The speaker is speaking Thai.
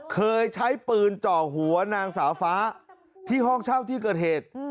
เคยใช้ปืนเจาะหัวนางสาวฟ้าที่ห้องเช่าที่เกิดเหตุ